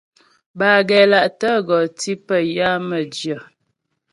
Bâ gɛ́la'tə gɔ tí pə yə á mə́jyə.